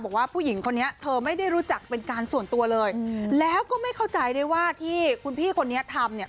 บอกว่าผู้หญิงคนนี้เธอไม่ได้รู้จักเป็นการส่วนตัวเลยแล้วก็ไม่เข้าใจด้วยว่าที่คุณพี่คนนี้ทำเนี่ย